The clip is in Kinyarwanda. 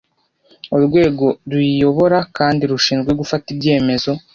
urwego ruyiyobora kandi rushinzwe gufata ibyemezo